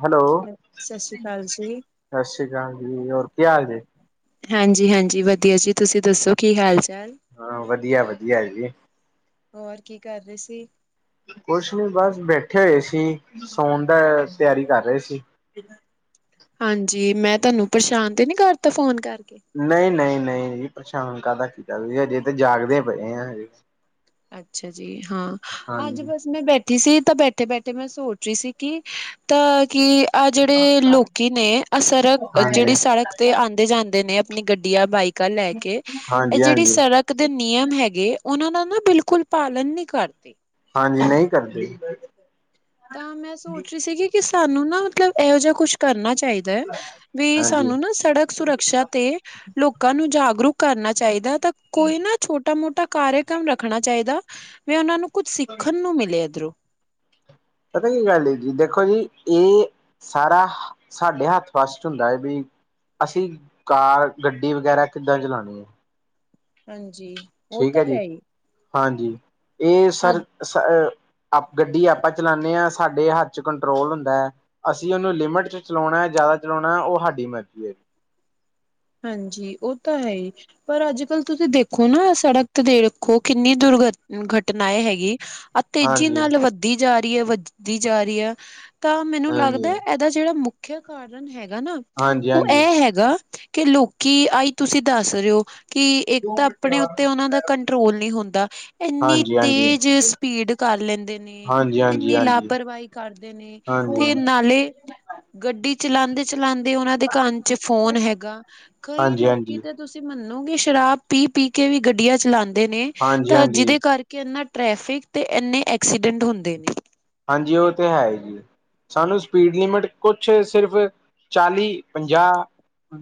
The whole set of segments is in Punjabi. ਹੈਲੋ, ਸ਼੍ਰੀ ਸਤਿ ਅਕਾਲ ਜੀ। ਸ਼੍ਰੀ ਅਕਾਲ ਜੀ, ਹੋਰ ਕੀ ਹਾਲ ਜੀ? ਹਾਂਜੀ ਹਾਂਜੀ, ਵਧੀਆ ਜੀ, ਤੁਸੀਂ ਦੱਸੋ ਕੀ ਹਾਲ ਚਾਲ? ਹਾਂ ਵਧੀਆ, ਵਧੀਆ ਜੀ। ਹੋਰ, ਕੀ ਕਰ ਰਹੀ ਸੀ? ਕੁਛ ਨੀ ਬਸ ਬੈਠੇ ਹੋਏ ਸੀ, ਸੌਣ ਦਾ ਤਿਆਰੀ ਕਰ ਰਹੇ ਸੀ। ਹਾਂਜੀ, ਮੈਂ ਤੁਹਾਨੂੰ ਪਰੇਸ਼ਾਨ ਤੇ ਨੀ ਕਰਤਾ ਫੋਨ ਕਰਕੇ? ਨਹੀਂ ਨਹੀਂ, ਨਹੀਂ ਪਰੇਸ਼ਾਨ ਕਾਹਦਾ ਕੀਤਾ ਤੁ, ਅਜੇ ਤਾਂ ਜਾਗਦੇ ਪਏ ਆਏ। ਅੱਛਾ ਜੀ, ਹਾਂ, ਅੱਜ ਹਾਂਜੀ ਬਸ ਮੈਂ ਬੈਠੇ ਸੀ ਤਾਂ ਬੈਠੇ ਬੈਠੇ ਮੈਂ ਸੋਚ ਰੀ ਸੀ ਕਿ ਤਾਂ ਕੀ ਆਹ ਜਿਹੜੇ ਲੋਕੀ ਨੇ ਆਹ ਸਰ ਜਿਹੜੀ ਹਾਂਜੀ ਸੜ ਤੇ ਆਂਦੇ ਜਾਂਦੇ ਨੇ ਆਪਣੀ ਗੱਡੀਆਂ ਬਾਈਕਾਂ ਲੈ ਕੇ ਇਹ ਹਾਂਜੀ ਜਿਹੜੀ ਹਾਂਜੀ ਸੜਕ ਦੇ ਨਿਯਮ ਹੈਗੇ ਉਹਨਾਂ ਦਾ ਨਾ ਬਿਲਕੁਲ ਪਾਲਣ ਨੀ ਕਰਦੇ। ਹਾਂਜੀ ਨਈ ਕਰਦੇ। ਤਾਂ ਮੈਂ ਸੋਚ ਰੀ ਸੀਗੀ ਕਿ ਸਾਨੂੰ ਨਾ ਮਤਲਬ ਇਹੋ ਜਾ ਕੁਛ ਕਰਨਾ ਚਾਹੀਦਾ। ਵੀ ਹਾਂਜੀ ਸਾਨੂੰ ਨਾ ਸੜਕ ਸੁਰੱਖਸ਼ਿਆ ਤੇ ਲੋਕਾਂ ਨੂੰ ਜਾਗਰੂਕ ਕਰਨਾ ਚਾਹੀਦਾ ਤਾਂ ਕੋਈ ਨਾ। ਛੋਟਾ ਮੋਟਾ ਕਾਰਯਕ੍ਰਮ ਰੱਖਣਾ ਚਾਹੀਦਾ ਵੀ ਉਹਨਾਂ ਨੂੰ ਕੁੱਝ ਸਿੱਖਣ ਨੂੰ ਮਿਲੇ ਇੱਧਰੋਂ। ਪਤਾ ਕੀ ਗੱਲ ਐ ਜੀ ਦੇਖੋ ਜੀ ਏ ਸਾਰਾ ਸਾਡੇ ਹੱਥ ਫਸਟ ਹੁੰਦਾ ਐ ਵੀ ਅਸੀਂ ਕਾਰ ਗੱਡੀ ਵਗੈਰਾ ਕਿੱਦਾਂ ਚਲਾਣੀ ਐ। ਹਾਂਜੀ। ਉਹ ਠੀਕ ਤਾਂ ਐ ਜੀ ਹੈ ਹੀ ਹਾਂਜੀ ਇਹ ਅੱਜ ਸਰ ਗੱਡੀ ਆਪਾਂ ਚਲਾਨੇ ਆ ਸਾਡੇ ਹੱਥ ਚ ਕੰਟਰੋਲ ਹੁੰਦਾ। ਅਸੀਂ ਉਹਨੂੰ ਲਿਮਿਟ ਚ ਚਲੋਣਾ ਜ਼ਿਆਦਾ ਚਲੋਣਾ ਉਹ ਸਾਡੀ ਮਰਜ਼ੀ ਹਾਂਜੀ ਓ ਤਾਂ ਹੈਈ। ਪਰ ਅੱਜ ਕੱਲ ਤੁਸੀਂ ਦੇਖੋ ਨਾ ਸੜਕ ਤੇ ਦੇਖੋ ਕਿੰਨੀ ਦੁਰਘ ਘਟਨਾਏ ਹੈਗੀ। ਆ ਤੇਜ਼ੀ ਹਾਂਜੀ ਨਾਲ ਵੱਧਦੀ ਜਾ ਰੀ ਐ ਵੱਧਦੀ ਜਾ ਰੀ ਐ ਤਾਂ ਮੈਨੂੰ ਲੱਗਦਾ। ਹਾਂਜੀ ਏਦਾ ਜਿਹੜਾ ਮੁਖਿਆ ਕਾਰਨ ਹੈਗਾ ਨਾ ਹਾਂਜੀ ਓ ਹਾਂਜੀ ਇਹ ਹੈਗਾ ਕਿ ਲੋਕੀ ਆਈ ਤੁਸੀਂ ਦੱਸ ਰੇ ਓ। ਕਿ ਇੱਕ ਤਾਂ ਆਪਣੇ ਉੱਤੇ ਉਹਨਾਂ ਦਾ ਕੰਟਰੋਲ ਨੀ ਹੁੰਦਾ ਇੰਨੀ ਹਾਂਜੀ ਹਾਂਜੀ ਤੇਜ। ਭੀੜ ਕਰ ਲੈਂਦੇ ਨੇ ਹਾਂਜੀ ਹਾਂਜੀ ਇੰਨੀ ਹਾਂਜੀ ਲਾਪਰਵਾਹੀ ਕਰਦੇ ਨੇ ਹਾਂਜੀ ਤੇ ਹਾਂਜੀ ਨਾਲੇ ਗੱਡੀ ਚਲਾਂਦੇ ਚਲਾਂਦੇ ਉਹਨਾਂ ਦੇ ਕੰਨ ਚ ਫੋਨ ਹੈਗਾ ਕਈ ਹਾਂਜੀ ਲੋਕੀ ਤਾਂ ਹਾਂਜੀ ਤੁਸੀਂ ਮੰਨੋਗੇ ਸ਼ਰਾਬ ਪੀ ਪੀ ਕੇ ਵੀ ਗੱਡੀਆਂ ਚਲਾਂ ਦੇ ਨੇ ਤਾਂ ਹਾਂਜੀ ਜਿਹਦੇ ਕਰਕੇ ਕਿ ਇੰਨਾ ਟਰੈਫਿਕ ਤੇ ਇੰਨੇ ਐਕਸੀਡੈਂਟ ਹੁੰਦੇ ਨੇ। ਹਾਂਜੀ ਉਹ ਤੇ ਹੈਈ ਜੀ। ਸਾਨੂੰ ਸਪੀਡ ਲਿਮਿਟ ਕੁਛ ਸਿਰਫ ਚਾਲੀ ਪੰਜਾਹ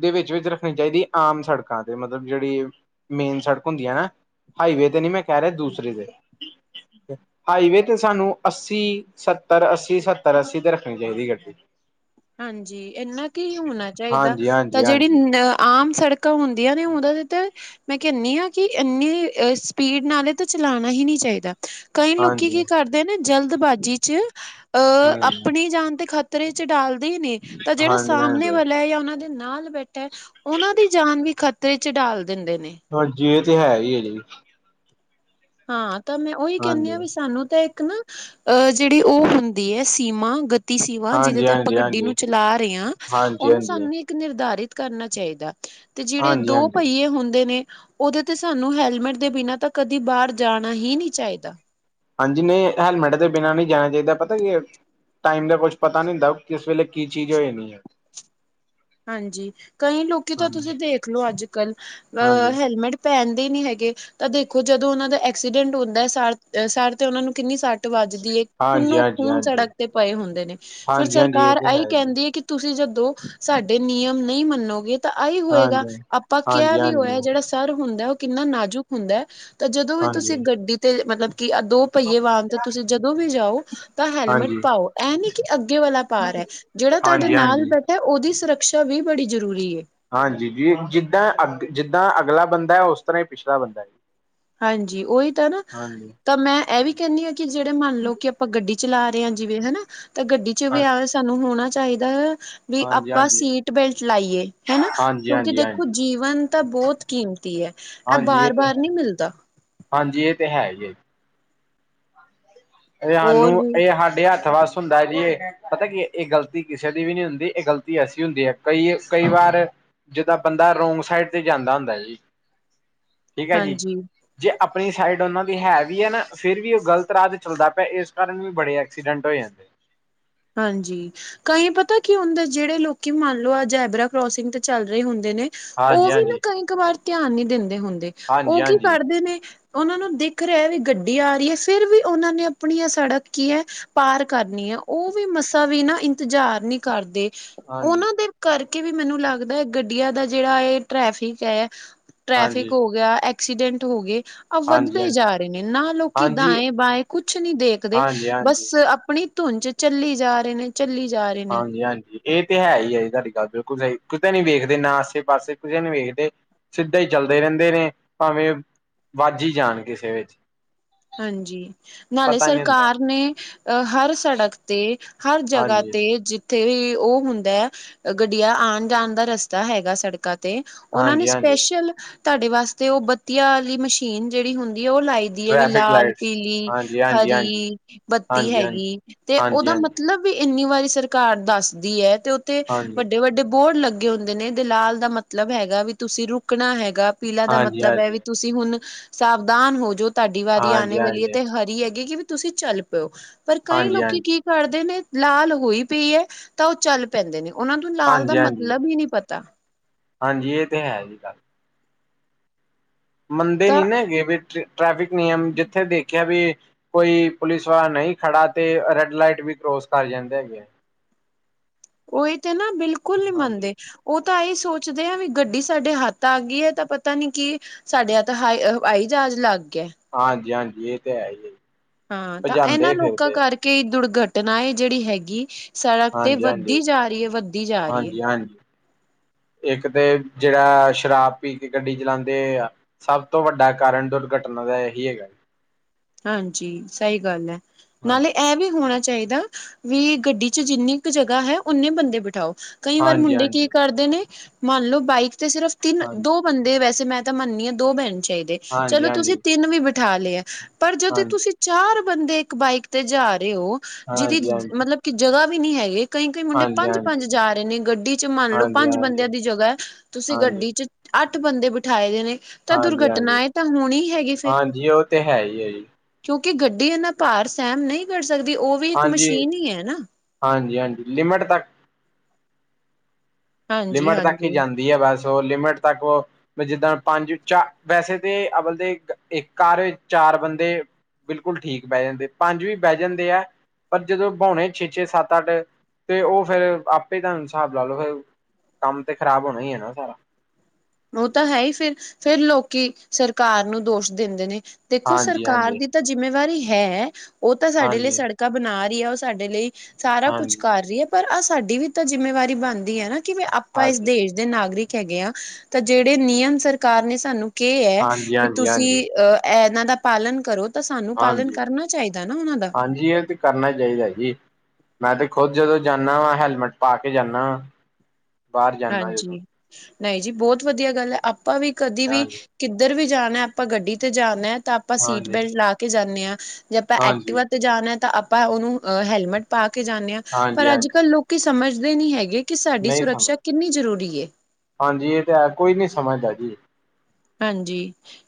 ਦੇ ਵਿੱਚ ਵਿਚ ਰੱਖਣੀ ਚਾਹੀਦੀ ਆਮ ਸੜਕਾਂ ਤੇ ਮਤਲਬ ਜਿਹੜੀ ਮੇਨ ਸੜਕ ਹੁੰਦੀ ਐ ਨਾ। ਹਾਈਵੇ ਤੇ ਨੀ ਮੈਂ ਕਹਿ ਰਿਹਾ ਦੂਸਰੇ ਤੇ ਹਾਈਵੇ ਤੇ ਸਾਨੂੰ ਅੱਸੀ ਅੱਸੀ ਸੱਤਰ ਅੱਸੀ ਸੱਤਰ ਅੱਸੀ ਤੇ ਰੱਖਣੀ ਚਾਹੀਦੀ ਗੱਡੀ। ਹਾਂਜੀ, ਇੰਨਾ ਕੀ ਹੋਣਾ ਚਾਹੀਦਾ ਹਾਂਜੀ ਤਾਂ ਹਾਂਜੀ ਜਿਹੜੀ ਹਾਂਜੀ ਅ ਆਮ ਸੜਕ ਹੁੰਦੀਆਂ ਨੇ ਉਹਨਾਂ ਦੇ ਤੇ ਮੈਂ ਕਹਿਣੀ ਆ ਕਿ ਇੰਨੀ ਸਪੀਡ ਨਾਲ ਏ ਤਾਂ ਚਲਾਣਾ ਈ ਨੀ ਚਾਹੀਦਾ। ਕਈ ਲੋਕੀ ਹਾਂਜੀ ਕੀ ਕਰਦੇ ਨੇ ਜਲਦਬਾਜ਼ੀ ਚ ਅਹ ਹਾਂਜੀ ਆਪਣੀ ਜਾਨ ਤੇ ਖਾ ਤਰੇ ਚ ਡਾਲਦੇ ਨੇ ਤਾਂ ਜਿਹੜਾ ਹਾਂਜੀ ਸਾਹਮਣੇ ਹਾਂਜੀ ਵਾਲਾ ਜਾਂ ਉਹਨਾਂ ਦੇ ਨਾਲ ਬੈਠਾ ਉਹਨਾਂ ਦੀ ਜਾਨ ਵੀ ਖ਼ਤਰੇ ਚ ਡਾਲ ਦਿੰਦੇ ਨੇ। ਹਾਂਜੀ, ਇਹ ਤੇ ਹੈਈ ਐ ਜੀ। ਹਾਂ, ਤਾਂ ਮੈਂ ਉਹੀ ਕਹਿਣੀ ਆ ਹਾਂਜੀ ਵੀ ਸਾਨੂੰ ਤਾਂ ਇੱਕ ਨਾ। ਅਹ ਜਿਹੜੀ ਓ ਹੁੰਦੀ ਐ ਸੀਮਾ ਗ ਤੀ ਸੀਮਾਂ ਜਿਹਦੇ ਹਾਂਜੀ ਤੇ ਆਪਾਂ ਹਾਂਜੀ ਗੱਡੀ ਨੂੰ ਹਾਂਜੀ ਹਾਂਜੀ ਚਲਾ ਰੇ ਆ ਹਾਂਜੀ ਉਹਨੂੰ ਸਾਨੂੰ ਨਿਰਧਾਰਿਤ ਕਰਨਾ ਚਾਹੀਦਾ ਤੇ ਜਿਹੜੇ ਹਾਂਜੀ ਦੋ ਹਾਂਜੀ ਪਹੀਏ ਹੁੰਦੇ ਨੇ, ਉਹਦੇ ਤੇ ਸਾਨੂੰ ਹੈਲਮੇਟ ਦੇ ਬਿਨਾਂ ਤਾਂ ਕਦੀ ਬਾਹਰ ਜਾਣਾ ਈ ਨੀ ਚਾਹੀਦਾ। ਹਾਂਜੀ, ਨਹੀਂ ਹੈਲਮੇਟ ਤੋਂ ਬਿਨਾਂ ਨੀ ਜਾਣਾ ਚਾਹੀਦਾ ਪਤਾ ਕੀ। ਟਾਈਮ ਦਾ ਕੁਛ ਪਤਾ ਨੀ ਹੁੰਦਾ ਕਿਸ ਵੇਲੇ ਕੀ ਚੀਜ਼ ਹੋ ਜਾਣੀ ਐ। ਹਾਂਜੀ ਕਈ ਲੋਕੀ ਤਾਂ ਹਾਂਜੀ, ਤੁਸੀਂ ਦੇਖਲੋ ਅੱਜ-ਕੱਲ ਅ ਹਾਂਜੀ, ਹੈਲਮੇਟ ਪੈਨਦੇ ਨੀ ਹੈਗੇ ਤਾਂ ਦੇਖੋ ਜਦੋਂ ਓਨਾਂ ਦਾ ਐਕਸੀਡੈਂਟ ਹੁੰਦਾ ਸਹ ਸਰ ਤੇ ਓਨਾਂ ਨੂੰ ਕਿੰਨੀ ਸ ਟ ਵੱਜਦੀ ਹਾਂਜੀ, ਖੂਨੋ ਹਾਂਜੀ, ਹਾਂਜੀ, ਖੂਨ ਸੜਕ ਹਾਂਜੀ, ਤੇ ਪਏ ਹੁੰਦੇ ਨੇ ਫੇਰ ਹਾਂਜੀ ਇਹ ਸਰਕਾਰ ਤੇ ਐਹੀ ਹੈ ਜੀ ਹਾਂਜੀ। ਕੈਂਦੀ ਐ ਕਿ ਤੁਸੀਂ ਜਦੋਂ ਸਾਡੇ ਨਿਯਮ ਨਹੀਂ ਮੰਨੋਗੇ ਤਾਂ ਆਈ ਹੋਏਗਾ ਹਾਂਜੀ, ਆਪਾਂ ਕੇਆ ਹਾਂਜੀ, ਹਾਂਜੀ, ਵੀ ਹੋਇਆ ਜਿਹੜਾ ਸਰ ਹੁੰਦਾ ਓ ਕਿੰਨਾ ਨਾਜ਼ੁਕ ਹੁੰਦਾ ਐ ਤਾਂ ਜਦੋਂ ਵੀ ਤੁਸੀਂ ਹਾਂਜੀ। ਗੱਡੀ ਤੇ ਮਤਲਬ ਕਿ ਦੋ ਪਈਏ ਵਾਗ ਤੇ ਤੁਸੀਂ ਜਦੋਂ ਵੀ ਜਾਓ ਤਾਂ ਹੈਲਮਟ ਹਾਂਜੀ, ਪਾਓ ਐ ਨੀ ਕਿ ਅੱਗੇ ਵਾਲਾ ਪਾਰ ਹੈ ਜੇੜਾ ਤੁਹਾਡੇ ਨਾਲ ਹਾਂਜੀ, ਬੈਠਾ ਓਦੀ ਸੁਰਾਕਛਾ ਵੀ ਬੜੀ ਜ਼ਰੂਰੀ ਐ। ਹਾਂਜੀ ਜੀ ਜੀਦਾਂ ਅਗ ਅੱਗਲਾ ਬੰਦਾ ਐ ਹੈ ਓਸ ਤਰ੍ਹਾਂ ਈ ਪੀਛਲਾ ਬੰਦਾ ਐ। ਹਾਂਜੀ ਓਈ ਤਾਂ ਨਾ ਤਾਂ, ਤਾ ਮੈਂ ਐ ਵੀ ਕੈਨੀ ਆ ਕੀ ਜੇੜੇ ਮੰਨ ਲਓ ਕਿ ਆਪਾਂ ਗੱਡੀ ਚਲਾ ਰਏ ਆ ਜੀਵੇਂ ਹਨਾ ਤਾਂ ਗੱਡੀ ਚ ਵੀ ਹਾਂ ਆ ਸਾਨੂੰ ਹੋਣਾ ਚਾਈਦਾ। ਵੀ ਹਾਂਜੀ, ਆਪਾਂ ਹਾਂਜੀ, ਸੀਟ ਬੈਲਟ ਲਾਈਏ ਹਨਾ ਹਾਂਜੀ, ਕਿਉਂਕੀ ਹਾਂਜੀ, ਦੇਖੋ ਹਾਂਜੀ, ਜੀਵਨ ਤਾਂ ਬਹੋਤ ਕੀਮਤੀ ਐ, ਐ ਹਾਂਜੀ ਇਹ ਤੇ ਬਾਰ-ਬਾਰ ਹੈ ਨੀ ਮੇਲਦਾ। ਹਾਂਜੀ ਏ ਤੇ ਹੈ ਈ ਐ ਏਆਨੂੰ ਹੋਰ ਵੀ ਏ ਸਾਡੇ ਹੱਥ ਵਾਸ ਹੁੰਦਾ ਜੀ ਏ ਪਤਾ ਕੀ ਏ ਗਲਤੀ ਕਿਸੇ ਦੀ ਵੀ ਨੀ ਹੁੰਦੀ ਏ ਗ਼ਲਤੀ ਐਸੀ ਹੁੰਦੀ ਐ ਕਈ ਕਈ ਵਾਰ ਜਜਦਾਂ ਬੰਦਾ ਰੋਗ ਸਾਈਡ ਤੇ ਜਾਂਦਾ ਹੁੰਦਾ ਜੀ [unintelligible] ਠੀਕ ਐ ਜੀ ਹਾਂਜੀ ਜੇ ਆਪਣੀ ਸਾਈਡ ਓਨਾਂ ਦੀ ਹੈ ਵੀ ਏ ਨਾ ਫੇਰ ਵੀ ਓ ਗ਼ਲਤ ਰਾ ਚੱਲਦਾ ਪੇਆ ਏਸ ਕਾਰਨ ਵੀ ਬੜੇ ਐਕਸੀਡੈਂਟ ਹੋ ਜਾਂ ਹਾਂਜੀ ਕਈ ਪਤਾ ਕੀ ਹੁੰਦਾ ਐ ਜੇੜੇ ਲੋਕੀ ਮੰਨ ਲਓ ਅਆਜੈਬਰਾ ਕਰੋਸਿੰਗ ਤੇ ਚੱਲ ਰਏ ਹੁੰਦੇ ਨੇ ਓ ਹਾਂਜੀ ਵੀ ਨਾ ਹਾਂਜੀ ਕਈ ਕ ਵਾਰ ਧਿਆਨ ਨੀ ਦੇਦੇ ਹੁੰਦੇ ਓ ਹਾਂਜੀ ਕੀ ਹਾਂਜੀ ਕਰਦੇ ਨੇ ਓਨਾਂ ਨੂੰ ਦਿਖ ਰੇਆ ਵੀ ਗੱਡੀ ਆ ਰਈ ਐ ਫੇਰ ਵੀ ਓਨਾਂ ਨੇ ਆਪਣੀਆਂ ਸੜਕ ਕੀ ਐ ਪਾਰ ਕਰਨੀ ਐ ਓ ਵੀ ਮਸਾਂ ਵੀ ਨਾ ਇੰਤਜ਼ਾਰ ਨੀ ਕਰਦੇ ਹਾਂਜੀ ਓਨਾਂ ਦੇ ਕਰਕੇ ਵੀ ਮੈਨੂੰ ਲੱਗਦਾ ਗੱਡੀਆਂ ਦਾ ਜੇੜਾ ਏ ਟ੍ਰੈਫਿਕ ਐ ਟ੍ਰੈਫਿਕ ਹਾਂਜੀ ਹੋ ਗਆ ਐ ਐਸੀਡੈਂਟ ਹੋ ਗੇ ਵੱਧਦੇ ਹਾਂਜੀ ਹਾਂਜੀ ਜਾ ਰਏ ਨੇ ਨਾ ਲੋਕੀ ਹਾਂਜੀ ਦਾਏ-ਬਾਏ ਕੁਛ ਨੀ ਦੇਖਦੇ, ਹਾਂਜੀ ਹਾਂਜੀ ਬਸ ਆਪਣੀ ਧੁੰਜ ਚੱਲੀ ਜਾ ਰਹੇ ਨੇ ਚੱਲੀ ਜਾ ਰਈ ਹਾਂਜੀ-ਹਾਂਜੀ। ਏ ਤੇ ਹੈ ਈ ਏ ਜੀ ਤੁਹਾਡੀ ਗੱਲ ਬੇਲਕੁਲ ਸਈ ਕੁਤੇ ਨੀ ਵੇਖਦੇ ਨਾ ਆਸੇ-ਪਾਸੇ ਕੁੇ ਨੀ ਵੇਖਦੇ। ਸਿੱਧਾ ਈ ਚੱਲਦੇ ਰੈਂਦੇ ਨੇ, ਭਾਵੇਂ, ਵੱਝ ਈ ਜਾਣ ਕਿਸੇ ਵੇਚ ਹਾਂਜੀ ਨਾਲੇ ਸਰਕਾਰ ਨੇ ਅ ਹਰ ਸੜਕ ਤੇ ਹਰ ਜਗਾ ਹਾਂਜੀ ਤੇ ਜ ਤੇ ਵੀ ਓ ਹੁੰਦਾ ਐ ਗੱਡੀਆਂ ਆਣ-ਜਾਣ ਦਾ ਰਸਤਾ ਹੈਗਾ ਸੜਕਾਂ ਤੇ ਓਨਾਂ ਨੇ ਹਾਂਜੀ ਹਾਂਜੀ ਸਪੈਸ਼ਲ ਤੁਹਾਡੇ ਵਾਸਤੇ ਓ ਬੱਤੀਆਂ ਵਾਲੀ ਮਸ਼ੀਨ ਜੇੜੀ ਹੁੰਦੀ ਐ ਓ ਲਾਈ ਦੀ ਵੀ ਟ੍ਰੈਫਿਕ ਲਾਲ ਲਾਈਟਸ ਪੀਲੀ ਹਾਂਜੀ ਹਾਂਜੀ ਹਾਂਜੀ ਹਰੀ ਬੱਤੀ ਹਾਂਜੀ ਹਾਂਜੀ ਹੈਗੀ ਤੇ ਹਾਂਜੀ ਓਦਾ ਹਾਂਜੀ ਮਤਲਬ ਵੀ ਏਨੀ ਵਾਰੀ ਸਰਕਾਰ ਦੱਸਦੀ ਐ ਤੇ ਓਥੇ ਹਾਂਜੀ ਵੱਡੇ-ਵੱਡੇ ਬੋਡ ਲਾ ਗੇ ਹੁੰਦੇ ਨੇ ਤੇ ਲਾਲ ਦਾ ਮਤਲਬ ਹੈਗਾ ਵੀ ਤੁਸੀਂ ਰੁਕਣਾ ਹੈਗਾ ਪੀਲਾ ਦਾ ਹਾਂਜੀ ਹਾਂਜੀ ਮਤਲਬ ਹੈ ਵੀ ਤੁਸੀਂ ਹੁਣ ਸਾਵਧਾਨ ਹੋ ਜੋ ਤੁਹਾਡੀ ਵਾਰੀ ਆਣੇ ਹਾਂਜੀ ਹਾਂਜੀ ਵਾਲੀ ਐ ਹਾਂਜੀ ਤੇ ਹਰੀ ਹੈਗੀ ਕਿ ਵੀ ਤੁਸੀਂ ਚੱਲ ਪਰ ਕਈ ਹਾਂਜੀ ਲੋਕੀ ਕੀ ਕਰਦੇ ਨੇ ਲਾਲ ਹੋਈ ਪਈ ਤਾਂ ਚੱਲ ਪੈਂਦੇ ਨੇ ਓਨਾਂ ਨੂੰ ਲਾਲ ਦਾ ਹਾਂਜੀ ਹਾਂਜੀ ਮਤਲਬ ਈ ਨੀ ਪਤਾ। ਹਾਂਜੀ ਏ ਤੇ ਹੈ ਜੀ ਗੱਲ ਮੰਨਦੇ ਤਾਂ ਨੀ ਨਾ ਹੈਗੇ ਵੀ ਟ੍ਰੈਫਿਕ ਨਿਯਮ ਜਿੱਥੇ ਦੇਖੇਆ ਵੀ ਕੋਈ ਪੁਲਿਸ ਵਾਲਾ ਨਹੀਂ ਖੜਾ, ਤੇ ਰੈਡ ਲਾਈਟ ਵੀ ਕਰੋਸ ਕਰ ਜਾਂਦੇ ਹੈਗੇ ਆ। ਉਹਹੀ ਤੇ ਨਾ, ਬਿਲਕੁਲ ਨਹੀਂ ਹਾਂਜੀ, ਮੰਨਦੇ ਉਹ ਤਾਂ ਇਹਹੀ ਸੋਚਦੇ ਆ, ਵੀ ਗੱਡੀ ਸਾਡੇ ਹੱਥ ਆ ਗਈ ਹੈ ਤਾਂ ਪਤਾ ਨੀ ਕੀ ਸਾਡੇ ਤਾਂ ਹੱਥ, ਹਵਾਈ ਜਹਾਜ਼ ਲੱਗ ਗਿਆ। ਹਾਂਜੀ ਹਾਂਜੀ, ਇਹ ਤੇ ਹੈ ਹੀ ਹੈ। ਹਾਂ, ਤਾਂ ਭਜਾਂਦੇ ਇਹਨਾਂ ਲੋਕਾਂ ਫਿਰਦੇ ਆ ਕਰਕੇ ਕਈ ਦੁਰਘਟਨਾਏ ਜਿਹੜੀ ਹੈਗੀ ਸੜਕ ਤੇ, ਹਾਂਜੀ, ਵੱਧਦੀ ਹਾਂਜੀ। ਜਾ ਰਹੀ ਹੈ, ਵੱਧਦੀ ਜਾ ਰਹੀ ਹੈ। ਹਾਂਜੀ, ਹਾਂਜੀ ਇੱਕ ਤੇ ਜਿਹੜਾ, ਸ਼ਰਾਬ ਪੀ ਕੇ ਗੱਡੀ ਚਲਾਉਂਦੇ ਆ ਸਭ ਤੋਂ ਵੱਡਾ ਕਾਰਨ, ਦੁਰਘਟਨਾ ਦਾ ਇਹੀ ਹੈਗਾ। ਹਾਂਜੀ, ਸਹੀ ਗੱਲ ਹੈ, ਹਾਂ ਨਾਲੇ ਇਹ ਵੀ ਹੋਣਾ ਚਾਹੀਦਾ, ਵੀ ਗੱਡੀ 'ਚ ਜਿੰਨੀ ਕੁ ਜਗ੍ਹਾ ਹੈ, ਓਨੇ ਬੰਦੇ ਬਿਠਾਓ। ਕਈ ਵਾਰ ਹਾਂਜੀ, ਮੁੰਡੇ ਕੀ ਹਾਂਜੀ, ਹਾਂਜੀ, ਕਰਦੇ ਨੇ, ਮੰਨ ਲੋ, ਬਾਈਕ ਤੇ ਸਿਰਫ ਤਿੰਨ ਹਾਂਜੀ, ਦੋ ਬੰਦੇ ਵੈਸੇ ਮੈਂ ਤਾਂ ਮੰਨਨੀ ਹਾਂ ਦੋ ਬੈਣ ਚਾਹੀਦੇ, ਚਲੋ ਤੁਸੀਂ ਹਾਂਜੀ। ਤਿੰਨ ਵੀ ਬਿਠਾ ਲਏ ਆ ਪਰ ਜਦੋਂ ਹਾਂਜੀ, ਹਾਂਜੀ, ਤੁਸੀਂ ਚਾਰ ਬੰਦੇ ਇੱਕ ਬਾਈਕ ਤੇ ਜਾ ਰਹੇ ਹੋ, ਜਿਹਦੀ ਹਾਂਜੀ, ਮਤਲਬ ਕਿ, ਜਗ੍ਹਾ ਵੀ ਨਹੀਂ ਹੈਗੇ ਕਈ -ਕਈ ਮੁੰਡੇ ਹਾਂਜੀ, ਹਾਂਜੀ, ਪੰਜ ਪੰਜ ਜਾ ਰਹੇ ਨੇ, ਗੱਡੀ 'ਚ ਮੰਨ ਲਓ ਹਾਂਜੀ, ਪੰਜ ਹਾਂਜੀ, ਬੰਦਿਆਂ ਦੀ ਜਗ੍ਹਾ ਹੈ, ਤੁਸੀਂ ਹਾਂਜੀ। ਗੱਡੀ 'ਚ ਅੱਠ ਬੰਦੇ ਬਿਠਾਏ ਦੇ ਨੇ, ਤਾਂ ਹਾਂਜੀ, ਦੁਰਘਟਨਾ ਹਾਂਜੀ, ਇਹ ਤਾਂ ਹੋਣੀ ਹੈਗੀ ਫੇਿਰ। ਹਾਂਜੀ ਉਹ ਤੇ ਹੈ ਯ ਜੀ। ਕਿਉਂਕਿ ਗੱਡੀ ਇਹਨਾ ਭਾਰ ਸਹਿਮ ਨਹੀਂ ਕਰ ਸਕਦੀ, ਉਹ ਵੀ ਇੱਕ ਹਾਂਜੀ, ਮਸ਼ੀਨ ਹੀ ਹੈ ਨਾ ਹਾਂਜੀ ਹਾਂਜੀ, ਲਿਮਿਟ ਤੱਕ ਹਾਂਜੀ ਲਿਮਿਟ ਤੱਕ ਹੀ ਹਾਂਜੀ। ਜਾਂਦੀ ਹੈ ਬਸ ਉਹ, ਲਿਮਿਟ ਤੱਕ ਉਹ ੈਂ ਜਿੱਦਾਂ ਪੰਜ 'ਚ, ਵੈਸੇ ਤੇ ਅਵਲ ਦੇ ਇੱਕ 'ਘ ਚਾਰ ਬੰਦੇ ਬਿਲਕੁਲ ਠੀਕ ਬਹਿ ਜਾਂਦੇ, ਪੰਜ ਵੀ ਬਹਿ ਜਾਂਦੇ ਆ ਪਰ ਜਦੋਂ ਬਾਹਉਣੇ ਛੇ ਛੇ ਸੱਤ ਅੱਠ, ਤੇ ਉਹ ਫੇਿਰ ਆਪੇ ਤੁਹਾਨੂੰ ਹਿਸਾਬ ਲਾ ਲਓ ਫਿਰ ਕੰਮ ਤੇ ਖ਼ਰਾਬ ਹੋਣਾ ਹੀ ਹੈ ਨਾ, ਸਾਰਾ। ਉਹ ਤਾਂ ਹੈ ਹੀ ਫਿਰ, ਫਿਰ ਲੋਕੀ ਸਰਕਾਰ ਨੂੰ ਦੋਸ਼ ਦਿੰਦੇ ਨੇ। ਦੇਖੋ ਹਾਂਜੀ ਸਰਕਾਰ ਹਾਂਜੀ ਦੀ ਤਾਂ ਜਿੰਮੇਵਾਰੀ ਹੈ, ਉਹ ਤਾਂ ਸਾਡੇ ਲਈ ਹਾਂਜੀ ਸੜਕਾਂ ਬਣਾ ਰਹੀ ਹੈ, ਉਹ ਸਾਡੇ ਲਈ ਸਾਰਾ ਕੁਛ ਹਾਂਜੀ ਕਰ ਰਹੀ ਹੈ, ਪਰ ਆਹ ਸਾਡੀ ਵੀ ਤਾਂ ਜਿੰਮੇਵਾਰੀ ਬਣਦੀ ਹੈ ਨਾ ਕਿ ਆਪਾਂ ਇਸ ਹਾਂਜੀ ਹਾਂਜੀ ਦੇਸ਼ ਨਾਗਰਿਕ ਹੈਗੇ ਆ, ਤਾਂ ਜਿਹੜੇ ਨਿਯਮ ਸਰਕਾਰ ਨੇ ਸਾਨੂੰ ਕੀ ਹੈ, ਹਾਂਜੀ ਵੀ ਤੁਸੀਂ ਹਾਂਜੀ ਅਹ ਇਹਨਾਂ ਦਾ ਪਾਲਣ ਕਰੋ ਤਾਂ ਸਾਨੂੰ ਪਾਲਣ ਹਾਂਜੀ ਕਰਨਾ ਚਾਹੀਦਾ ਨਾ, ਉਹਨਾਂ ਦਾ। ਹਾਂਜੀ, ਇਹ ਤੇ ਕਰਨਾ ਚਾਹੀਦਾ ਜੀ। ਮੈਂ ਤੇ ਖੁਦ ਜਦੋਂ ਜਾਂਦਾ ਵਾ, ਹੈਲਮਟ ਪਾ ਕੇ ਜਾਂਦਾ ਵਾਂ। ਬਾਹਰ ਜਾਂਦਾ ਜਦੋਂ ਹਾਂਜੀ, ਨਹੀਂ ਜੀ ਬਹੁਤ ਵਧੀਆ ਗੱਲ ਹੈ, ਆਪਾਂ ਵੀ ਕਦੇ ਵੀ ਹਾਂਜੀ ਕਿੱਧਰ ਵੀ ਜਾਣਾ, ਆਪਾਂ ਗੱਡੀ ਤੇ ਜਾਣਾ, ਤਾਂ ਆਪਾਂ ਸੀਟ ਹਾਂਜੀ ਬੈਲਟ ਲਾ ਕੇ ਜਾਂਦੇ ਹਾਂ। ਜੇ ਆਪਾਂ ਹਾਂਜੀ ਐਕਟਿਵਾ ਤੇ ਜਾਣਾ, ਤਾਂ ਆਪਾਂ ਉਹਨੂੰ ਹੈਲਮਟ ਪਾ ਕੇ ਜਾਂਦੇ ਹਾਂ, ਹਾਂਜੀ ਪਰ ਅੱਜ ਹਾਂਜੀ ਕੱਲ ਲੋਕ ਕਿ ਸਮਝਦੇ ਨਹੀਂੀ ਹੈਗੇ, ਕਿ ਸਾਡੀ ਨਹੀਂ ਸੁਰੱਖਿਆ ਸਮਝ ਕਿੰਨੀ ਜ਼ਰੂਰੀ ਏ। ਹਾਂਜੀ ਇਹ ਤੇ ਹੈ, ਕੋਈ ਨੀ ਸਮਝਦਾ ਜੀ। ਹਾਂਜੀ।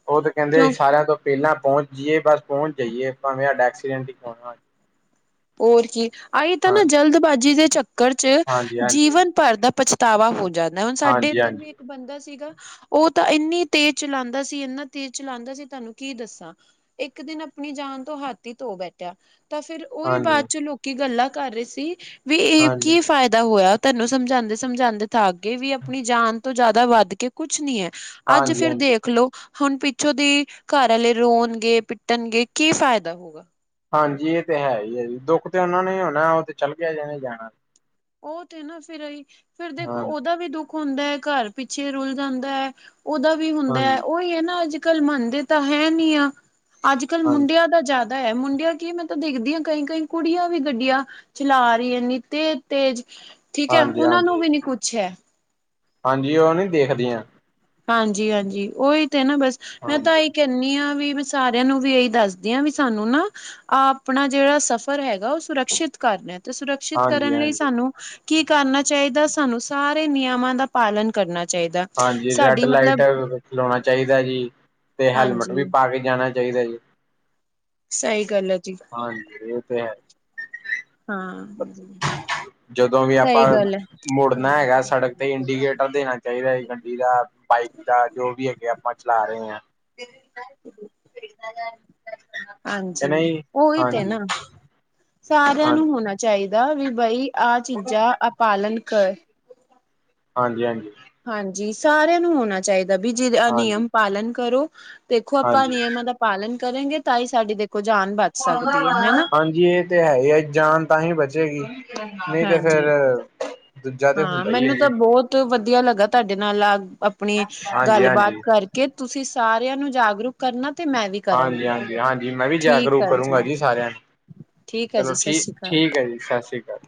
ਉਹ ਤਾਂ ਕਹਿੰਦੇ ਕਿਉਂਕਿ ਸਾਰਿਆਂ ਤੋਂ ਪਹਿਲਾਂ ਪਹੁੰਚ ਜਾਈਏ, ਬਸ ਪਹੁੰਚ ਜਾਈਏ, ਭਾਵੇਂ ਸਾਡਾ ਐਕਸੀਡੈਂਟ ਹੀ ਕਿੳ ਨਾ ਹੋ ਜੇ। ਹੋਰ ਕੀ, ਆਈ ਤਾਂ ਨਾ ਹਾਂਜੀ ਜਲਦਬਾਜ਼ੀ ਦੇ ਚੱਕਰ 'ਚ ਹਾਂਜੀ ਜੀਵਨ ਭਰ ਦਾ ਪ ਤਾਵਾ ਹੋ ਜਾਂਦਾ, ਹੁਣ ਸਾਡੇ ਹਾਂਜੀ ਇੱਧਰ ਹਾਂਜੀ ਵੀ ਬੰਦਾ ਸੀਗਾ, ਉਹ ਤਾਂ ਇੰਨੀ ਤੇਜ਼ ਚਲਾਉਂਦਾ ਸੀ, ਇੰਨਾ ਤੇਜ਼ ਚਲਾਉਂਦਾ ਸੀ ਤੁਹਾਨੂੰ ਕੀ ਦੱਸਾਂ। ਇੱਕ ਦਿਨ ਆਪਣੀ ਜਾਨ ਤੋਂ ਹਾਥੀ ਧੋ ਬੈਠਿਆ, ਤਾਂ ਫਿਰ ਓਹੀ ਬਾਅਦ ਹਾਂਜੀ ਹਾਂਜੀ ਚ ਲੋਕੀ ਗੱਲਾਂ ਕਰ ਰਹੇ ਸੀ, ਵੀ ਇਹ ਹਾਂਜੀ ਕੀ ਫਾਇਦਾ ਹੋਇਆ। ਤੁਹਾਨੂੰ ਸਮਝਾਂਦੇ -ਸਮਝਾਂਦੇ ਥੱਕ ਗਈ, ਵੀ ਆਪਣੀ ਜਾਨ ਤੋਂ ਜ਼ਿਆਦਾ ਵੱਧ ਕੇ, ਕੁਛ ਨੀ ਹੈ, ਅੱਜ ਹਾਂਜੀ ਫਿਰ ਹਾਂਜੀ ਦੇਖਲੋ, ਹੁਣ ਪਿੱਛੋਂ ਦੀ ਘਰ ਵਾਲੇ ਰੋਣਗੇ- ਪਿੱਟਣਗੇ ਕੀ ਫ਼ਾਇਦਾ ਹੋਓਗਾ, ਹਾਂਜੀ ਇਹ ਤੇ ਹੈ -ਹੀ- ਹੈ, ਜੀ ਦੁੱਖ ਤੇ ਓਹਨਾਂ ਨੂੰ ਈ ਹੋਣਾ, ਉਹ ਤੇ ਚੱਲ ਗਿਆ ਜੀਣੇ - ਜਾਣਾ। ਉਹ ਤੇ ਨਾ ਫੇਰ ਏਹੀ, ਫੇਰ ਦੇਖੋ ਹਾਂਜੀ ਉਹਦਾ ਵੀ ਦੁੱਖ ਹੁੰਦਾ ਐ, ਘਰ ਪਿੱਛੇ ਰੁਲ ਜਾਂਦਾ ਐ, ਉਹਦਾ ਵੀ ਹੁੰਦਾ ਐ, ਹਾਂਜੀ ਉਹੀ ਹੈ ਨਾ ਅੱਜ -ਕੱਲ੍ਹ ਮੰਨਦੇ ਤਾਂ ਹੈ -ਨੀ -ਆ, ਅੱਜ -ਕੱਲ ਹਾਂਜੀ ਮੁੰਡਿਆਂ ਦਾ ਜ਼ਿਆਦਾ ਹੈ, ਮੁੰਡਿਆਂ ਕੀ ਮੈਂ ਤਾਂ ਦੇਖਦੀ ਆ, ਕਈ -ਕਈ ਕੁੜੀਆਂ ਵੀ ਗੱਡੀਆਂ ਚਲਾ ਰਈਆਂ ਨੇ ਤੇ ਤੇਜ, ਠੀਕ ਐ, ਹਾਂਜੀ ਉਹਨਾਂ ਨੂੰ ਹਾਂਜੀ ਵੀ- ਨੀ ਕੁਛ ਐ, ਹਾਂਜੀ, ਉਹ ਨੀ ਦੇਖਦੀਆਂ। ਹਾਂਜੀ- ਹਾਂਜੀ ਓਹੀ ਤੇ ਨਾ ਬਸ, ਮੈਂ ਤਾਂ ਹਾਂਜੀ ਇੱਕ ਕੇਹਨੀ ਆ, ਵੀ ਮੈਂ ਸਾਰਿਆਂ ਨੂੰ ਵੀ ਇਹੀ ਦੱਸਦੀ ਆਾਂ, ਵੀ ਸਾਨੂੰ ਨਾ ਆ ਆਪਣਾ ਜੇਹੜਾ ਸਫ਼ਰ ਹੈਗਾ ਓਹ ਸੁਰੱਖਸ਼ਿਤ ਕਰਨਾ, ਤੇ ਸੁਰੱਖਿਸ਼ਤ ਹਾਂਜੀ ਕਰਨ ਲਈ ਹਾਂਜੀ ਸਾਨੂੰ ਕੀ ਕਰਨਾ ਚਾਈਦਾ, ਸਾਨੂੰ ਸਾਰੇ ਨਿਯਮਾਂ ਦਾ ਪਾਲਣ ਕਰਨਾ ਚਾਈਦਾ। ਹਾਂਜੀ ਰੈਡ ਲਾਈਟ ਲਾਉਣਾ ਚਾਹੀਦਾ ਜੀ, ਤੇ ਹੈਲਮਟ ਵੀ ਹਾਂਜੀ ਪਾ ਕੇ ਜਾਣਾ ਚਾਹੀਦਾ ਜੀ। ਸਹੀ ਗੱਲ ਐ ਜੀ। ਹਾਂਜੀ ਇਹ ਤੇ ਹੈ। ਹਾਂ ਜਦੋਂ ਵੀ ਆਪਾਂ ਸਹੀ ਗੱਲ ਹੈ ਮੁੜਨਾ ਹੈਗਾ, ਸੜਕ ਤੇ ਇੰਡੀਕੇਟਰ ਦੇਣਾ ਚਾਹੀਦਾ ਹੈ ਜੀ ਗੱਡੀ ਦਾ। ਬਾਈਕ ਦਾ ਜੋ ਵੀ ਹੈਗੇ ਆਪਾਂ ਚਲਾ ਰਹੇ ਆ ਹਾਂਜੀ, ਉਹੀ ਤੇ ਹੈ, ਹਾਂਜੀ ਨਾ ਸਾਰਿਆਂ ਹਾਂ ਨੂੰ ਹਾਂਜੀ ਹੋਣਾ ਚਾਈਦਾ ਵੀ ਬਈ, ਆਹ ਚੀਜ਼ਾਂ ਅ ਪਾਲਣ ਕਰ ਹਾਂਜੀ- ਹਾਂਜੀ। ਹਾਂਜੀ ਸਾਰਿਆਂ ਨੂੰ ਹੋਣਾ ਚਾਹੀਦਾ, ਵੀ ਜਿਹੜੇ ਅ ਹਾਂਜੀ ਨਿਯਮ ਪਾਲਣ ਕਰੋ। ਦੇਖੋ ਆਪਾਂ ਜੇ ਹਾਂਜੀ ਨਿਯਮਾਂ ਦਾ ਪਾਲਣ ਕਰੇਗੇ, ਤਾਂ ਈ ਸਾਡੀ ਦੇਖੋ ਜਾਨ ਬਚ ਸਕਦੀ ਹੈ ਹਨਾ। ਹਾਂਜੀ। ਜੀ ਏ- ਤੇ -ਹੈ -ਈ, ਆ ਜਾਨ ਤਾਂ ਹੀ ਬਚੇਗੀ ਨਹੀਂ ਤੇ ਹਾਂਜੀ ਫੇਰ ਦੂਜਾ ਤੇ ਹਾਂ ਹੁੰਦਾ ਹੀ ਹੈ ਮੈਨੂੰ ਤਾਂ ਜੀ ਬਹੁਤ ਵਧੀਆ ਲੱਗਾ, ਤੁਹਾਡੇ ਨਾਲ ਅ ਆਪਣੀ ਹਾਂਜੀ ਗੱਲਬਾਤ ਹਾਂਜੀ ਕਰਕੇ। ਕੇ ਤੁਸੀਂ ਸਾਰਿਆਂ ਨੂੰ ਜਾਗਰੂਕ ਕਰਨਾ ਤੇ ਮੈਂ ਵੀ, ਹਾਂਜੀ ਕਰਾਂਗੀ -ਹਾਂਜੀ- ਹਾਂਜੀ ਮੈਂ ਵੀ ਠੀਕ ਜਾਗਰੂਕ ਆ ਕਰੂੰਗਾ ਜੀ ਸਾਰਿਆਂ ਨੂੰ। ਠੀਕ ਆ ਚਲੋ ਜੀ ਸਤਿ ਠੀਕ- ਸ਼੍ਰੀ ਅਕਾਲ। ਠੀਕ ਹੈ ਜੀ ਸਤਿ ਸ਼੍ਰੀ ਅਕਾਲ।